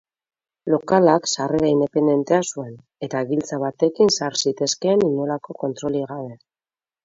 Lokalak sarrera independentea zuen, eta giltza batekin sar zitezkeen inolako kontrolik gabe.